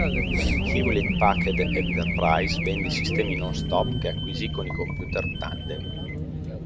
Hewlett-Packard Enterprise vende i sistemi NonStop, che acquisì con i computer Tandem.